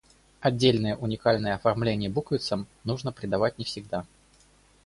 Отдельное уникальное оформление буквицам нужно придавать не всегда.